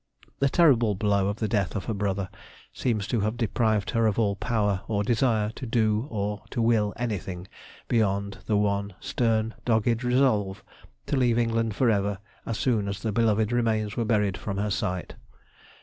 The terrible blow of the death of her brother seems to have deprived her of all power or desire to do or to will anything beyond the one stern, dogged resolve to leave England for ever as soon as the beloved remains were buried from her sight.